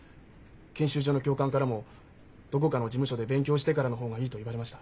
研修所の教官からもどこかの事務所で勉強してからの方がいいと言われました。